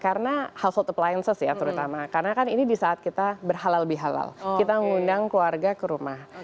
karena household appliances ya terutama karena kan ini di saat kita berhalal bihalal kita mengundang keluarga ke rumah